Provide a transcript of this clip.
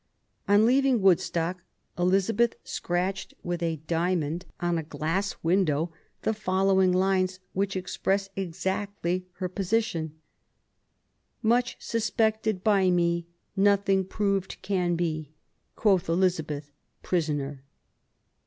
On leaving Woodstock, Elizabeth scratched with a diamond on a glass window the following lines, which express exactly her position :— Much suspected by me : Nothing proved can be, Quoth Elizabeth, prisoner.